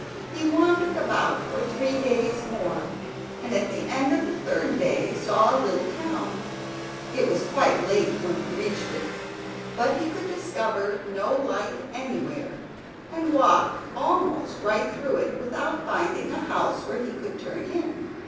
He wandered about for three days more, and at the end of the third day saw a little town. It was quite late when he reached it, but he could discover no light anywhere, and walked almost right through it without finding a house where he could turn in.